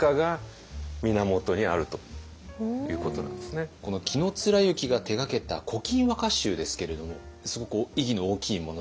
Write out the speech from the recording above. ただこの紀貫之が手がけた「古今和歌集」ですけれどもすごく意義の大きいものなんですか？